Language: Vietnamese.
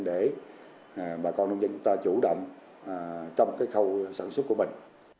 để bà con nông dân chúng ta chủ động trong khâu sản xuất của mình